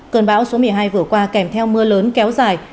cơn bão số một mươi hai vừa qua kèm theo mưa lớn kéo dài